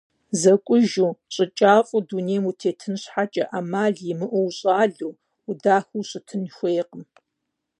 ЗэкӀужу, щӀыкӀафӀэу дунейм утетын щхьэкӀэ Ӏэмал имыӀэу ущӀалэу, удахэу ущытын хуейкъым.